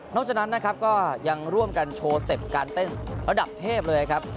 จากนั้นนะครับก็ยังร่วมกันโชว์สเต็ปการเต้นระดับเทพเลยครับ